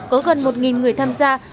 có gần một người tham gia